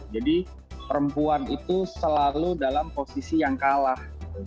jadi perempuan itu selalu dalam posisi yang kalah